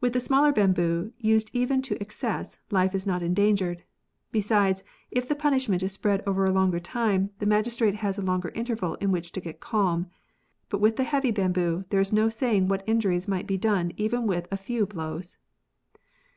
With the smaller bamboo, used even to excess, life is not endangered. Besides, if the punishment is spread over a longer time, the magistrate has a longer interval in which to get calm. But with the heavy bamboo, there is no saying what injuries might be done even with a few blows.